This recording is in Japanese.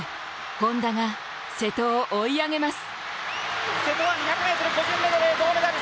本多が瀬戸を追い上げます。